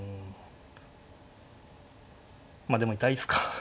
まあでも痛いですか。